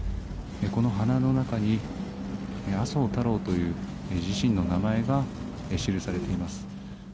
この花の中に麻生太郎という自身の名前が記されています。